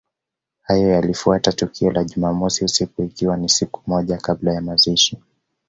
Hayo yalifuatia tukio la jumamosi usiku ikiwa ni siku moja kabla ya mazishi